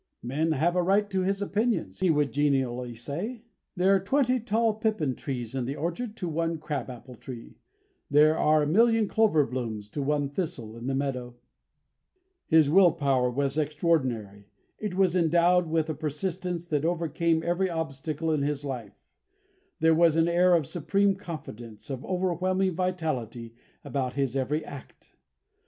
"Men have a right to their opinions," he would genially say. "There are twenty tall pippin trees in the orchard to one crab apple tree. There are a million clover blooms to one thistle in the meadow." His will power was extraordinary; it was endowed with a persistence that overcame every obstacle of his life; there was an air of supreme confidence, of overwhelming vitality, about his every act.